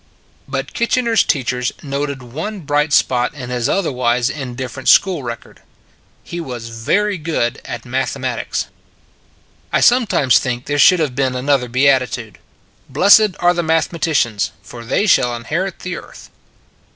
But Kitchener s teachers noted 31 32 It s a Good Old World one bright spot in his otherwise indifferent school record : he was very good at mathe matics. I sometimes think there should have been another Beatitude: Blessed are the mathematicians, for they shall inherit the earth.